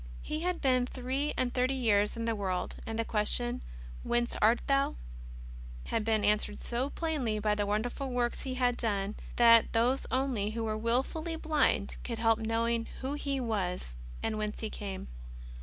He had been three and thirty years in the world, and the question :" Whence art Thou ?" had been answered so plainly by the wonderful works He had done, that those only who were wilfully blind could help knowing who He was and whence He came.